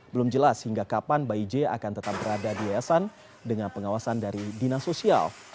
belum jelas hingga kapan bayi j akan tetap berada di yayasan dengan pengawasan dari dinas sosial